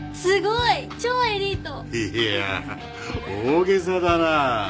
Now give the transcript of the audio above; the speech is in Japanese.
いや大げさだな。